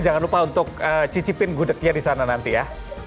jangan lupa untuk cicipin gudegnya disana nanti ya